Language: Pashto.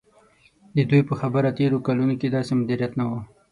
د دوی په خبره تېرو کلونو کې داسې مدیریت نه و.